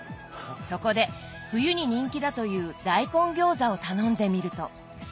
そこで冬に人気だという大根餃子を頼んでみると。